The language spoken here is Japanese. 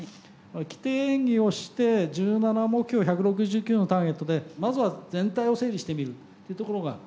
規定演技をして１７目標１６９のターゲットでまずは全体を整理してみるっていうところが規定演技ですね。